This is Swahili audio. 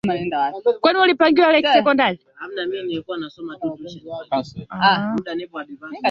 imefanya wizara ya mafuta kutangaza siku tano